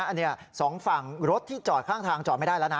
อันนี้สองฝั่งรถที่จอดข้างทางจอดไม่ได้แล้วนะ